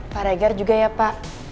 pak regar juga ya pak